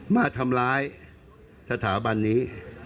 มาทำร้ายสถาบันนี้